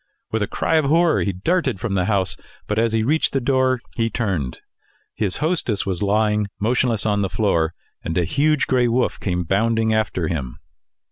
With a cry of horror he darted from the house, but as he reached the door he turned. His hostess was lying motionless on the floor, and a huge gray wolf came bounding after him.